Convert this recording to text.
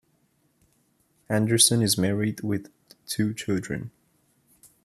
Andersson is married with two children.